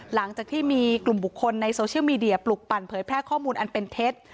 หลังจากที่มีกลุ่มบุคคลในโซเชียลมีเดียปลุกปั่นเผยแพร่ข้อมูลอันเป็นเท็จ